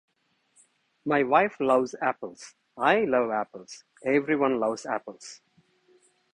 My wife loves apples. I love apples. Everyone loves apples.